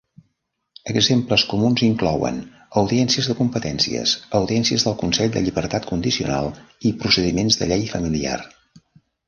Exemples comuns inclouen audiències de competències, audiències del consell de llibertat condicional i procediments de llei familiar.